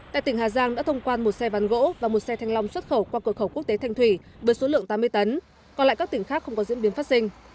tại tỉnh hà giang đã thông quan một xe ván gỗ và một xe thanh long xuất khẩu qua cửa khẩu quốc tế thanh thủy với số lượng tám mươi tấn còn lại các tỉnh khác không có diễn biến phát sinh